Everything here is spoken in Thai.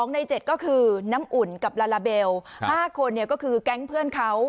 ใน๗ก็คือน้ำอุ่นกับลาลาเบล๕คนก็คือแก๊งเพื่อนเขา